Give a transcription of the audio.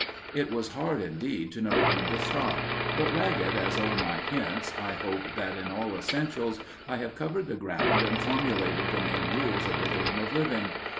It was hard, indeed, to know when to stop, but, ragged as are my hints, I hope that in all essentials I have covered the ground and formulated the main rules of the Game of Living.